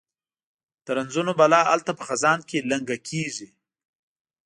د رنځونو بلا هلته په خزان کې لنګه کیږي